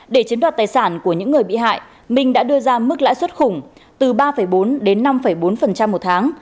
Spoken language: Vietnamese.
để chiếm đoạt tài sản của những người bị hại minh đã đưa ra mức lãi suất khủng từ ba bốn đến năm bốn một tháng